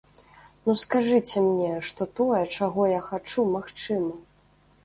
Ну скажыце мне, што тое, чаго я хачу, магчыма!